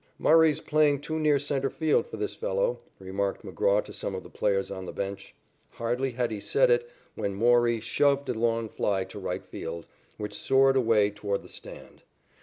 "Murray's playing too near centre field for this fellow," remarked McGraw to some of the players on the bench. Hardly had he said it when Mowrey shoved a long fly to right field, which soared away toward the stand.